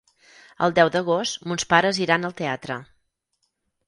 El deu d'agost mons pares iran al teatre.